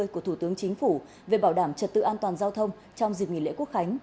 của thủ tướng chính phủ về bảo đảm trật tự an toàn giao thông trong dịp nghỉ lễ quốc khánh